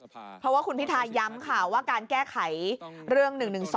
เพราะว่าคุณพิทาย้ำค่ะว่าการแก้ไขเรื่อง๑๑๒